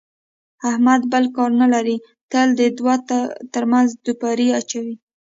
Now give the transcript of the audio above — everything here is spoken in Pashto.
احمد بل کار نه لري، تل د دوو ترمنځ دوپړې اچوي.